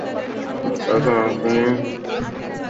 তারপর আর কোনো সাড়াশব্দ নেই।